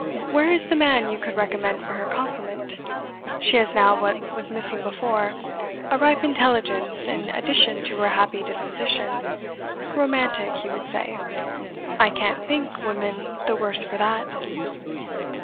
Where is the man you could recommend for her complement? She has now what was missing before, a ripe intelligence in addition to her happy disposition romantic, you would say. I can't think women the worse for that."